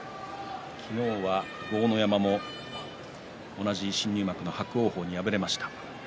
昨日は豪ノ山も同じ新入幕の伯桜鵬に敗れました。